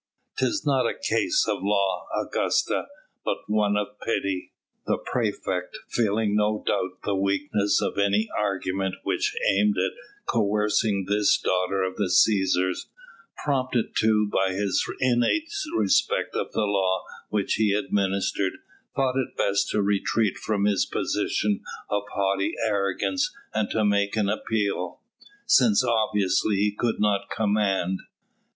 "'Tis not a case of law, Augusta, but one of pity." The praefect, feeling no doubt the weakness of any argument which aimed at coercing this daughter of the Cæsars, prompted too by his innate respect of the law which he administered, thought it best to retreat from his position of haughty arrogance and to make an appeal, since obviously he could not command.